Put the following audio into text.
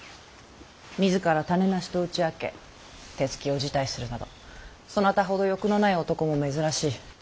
自ら種無しと打ち明け手つきを辞退するなどそなたほど欲のない男も珍しい。